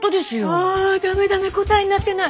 あダメダメ答えになってない。